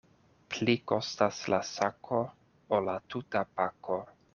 Pli kostas la sako, ol la tuta pako.